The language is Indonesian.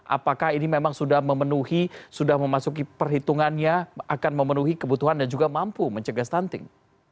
apakah ini memang sudah memenuhi sudah memasuki perhitungannya akan memenuhi kebutuhan dan juga mampu mencegah stunting